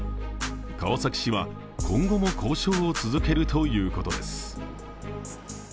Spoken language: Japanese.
川崎市は今後も交渉を続けるということです。